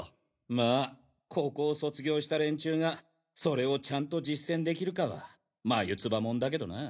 まあここを卒業した連中がそれをちゃんと実践できるかはマユツバもんだけどな。